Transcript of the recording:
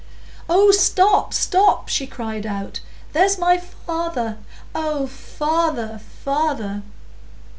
"Oh, stop, stop!" she cried out. "There's my father! Oh, father, father!"